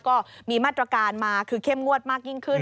ก็มีมาตรการมาคือเข้มงวดมากยิ่งขึ้น